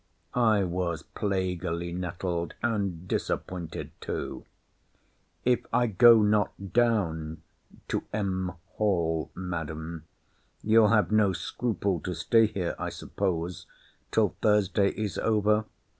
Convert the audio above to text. I was plaguily nettled, and disappointed too. If I go not down to Mr. Hall, Madam, you'll have no scruple to stay here, I suppose, till Thursday is over?